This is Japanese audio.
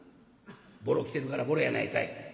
「ぼろを着てるからぼろやないかい。